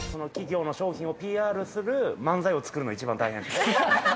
企業の商品をＰＲする漫才を作るのが一番大変ですね。